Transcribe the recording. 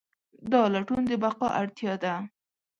دا لټون د بقا اړتیا ده.